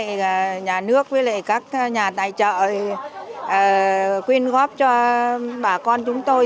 với lại nhà nước với lại các nhà tài trợ quyên góp cho bà con chúng tôi